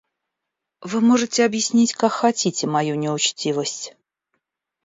Вы можете объяснить как хотите мою неучтивость.